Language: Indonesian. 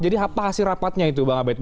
jadi apa hasil rapatnya itu bang abed